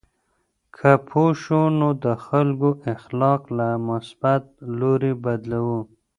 که پوه شو، نو د خلکو اخلاق له مثبت لوري بدلوو.